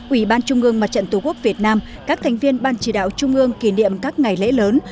ủy ban trung ương mặt trận tổ quốc việt nam các thành viên ban chỉ đạo trung ương kỷ niệm các ngày lễ lớn